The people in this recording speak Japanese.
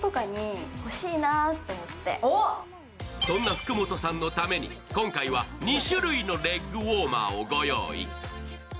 そんな福本さんのために、今回は２種類のレッグウォーマーをご用意。